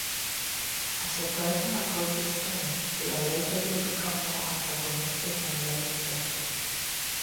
As a person approaches pain, they allegedly become more antagonistic and less cheerful.